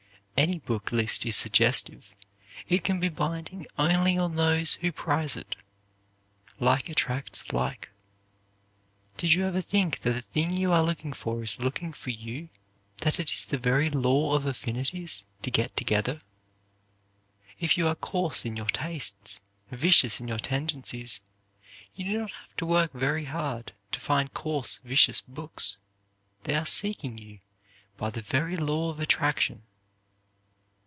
Any book list is suggestive; it can be binding only on those who prize it. Like attracts like. Did you ever think that the thing you are looking for is looking for you; that it is the very law of affinities to get together? If you are coarse in your tastes, vicious in your tendencies, you do not have to work very hard to find coarse vicious books; they are seeking you by the very law of attraction.